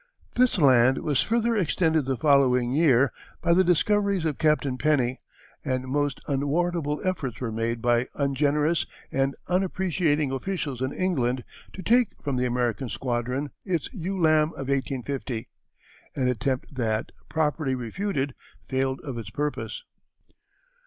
This land was further extended the following year by the discoveries of Captain Penny, and most unwarrantable efforts were made by ungenerous and unappreciating officials in England to take from the American squadron its ewe lamb of 1850, an attempt that, properly refuted, failed of its purpose.